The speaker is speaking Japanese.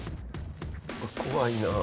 怖いなあ。